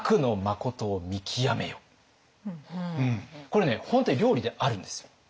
これね本当に料理であるんですよ。